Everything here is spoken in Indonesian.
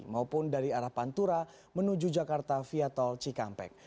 maupun dari arah pantura menuju jakarta via tol cikampek